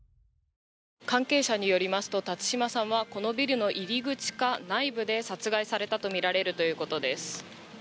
関係者によりますと辰島さんはこのビルの入り口か内部で殺害されたとみられるということです。